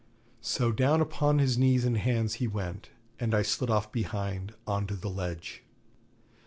So down upon his knees and hands he went, and I slid off behind, on to the ledge.